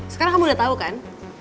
sekarang kamu udah tahu kan